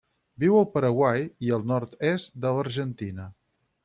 Viu al Paraguai i el nord-est de l'Argentina.